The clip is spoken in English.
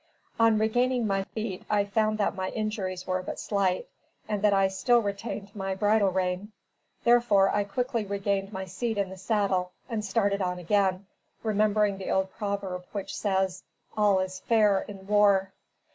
On regaining my feet, I found that my injuries were but slight, and that I still retained my bridle rein, therefore I quickly regained my seat in the saddle and started on again, remembering the old proverb, which says, "All is fair in war."